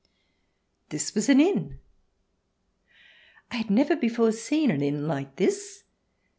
This was an inn I I had never before seen an inn like this.